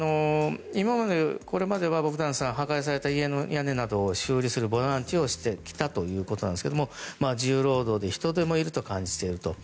これまではボグダンさんは破壊された家の屋根などを修理するボランティアをしてきたということですが重労働で人手もいると感じていると。